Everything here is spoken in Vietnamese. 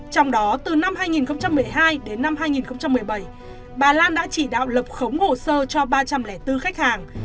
trong đó từ năm hai nghìn một mươi hai đến năm hai nghìn một mươi bảy bà lan đã chỉ đạo lập khống hồ sơ cho ba trăm linh bốn khách hàng